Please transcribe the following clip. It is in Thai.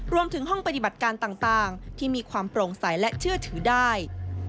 ห้องปฏิบัติการต่างที่มีความโปร่งใสและเชื่อถือได้